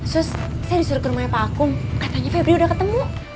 terus saya disuruh ke rumahnya pak akum katanya febri udah ketemu